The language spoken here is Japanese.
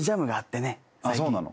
そうなの？